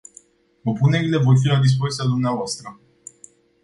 Propunerile vor fi la dispoziția dumneavoastră.